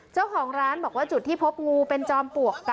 เจ้าของร้านบอกว่าจุดที่พบงูเป็นจอมปลวก